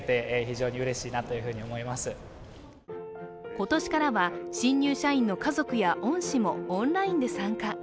今年からは新入社員の家族や恩師もオンラインで参加。